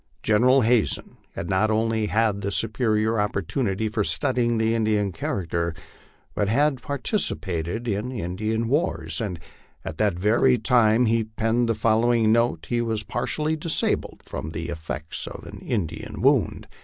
General Hazen had not only had superior opportunities for studying the Indian character, but had participated in Indian wars, and at the very time he penned the following note he was partially disabled from the ef fects of an Indian wound.